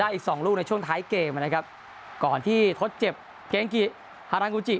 อีกสองลูกในช่วงท้ายเกมนะครับก่อนที่ทดเจ็บเกงกิฮารังกูจิ